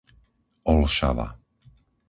Olšava